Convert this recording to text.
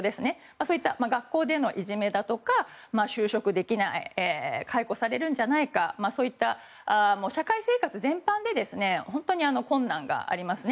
そういった学校でのいじめや就職できない解雇されるんじゃないかそういった社会生活全般で本当に困難がありますね。